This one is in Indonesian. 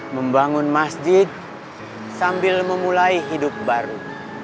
membangun masjid sambil memulai hidup baru